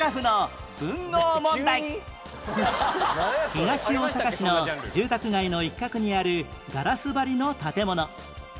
東大阪市の住宅街の一角にあるガラス張りの建物